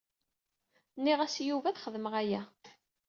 Nniɣ-as i Yuba ad xedmeɣ aya.